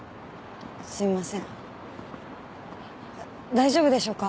大丈夫でしょうか？